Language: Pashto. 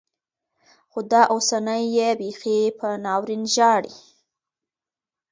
خو دا اوسنۍيې بيخي په ناورين ژاړي.